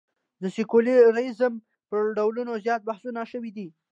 د سیکولریزم پر ډولونو زیات بحثونه شوي دي.